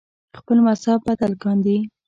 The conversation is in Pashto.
خپل مذهب بدل کاندي